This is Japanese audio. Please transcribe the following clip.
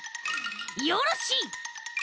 よろしい！